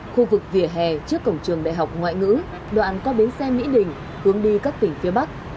khu vực vỉa hè trước cổng trường đại học ngoại ngữ đoạn qua bến xe mỹ đình hướng đi các tỉnh phía bắc